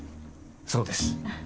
そうです。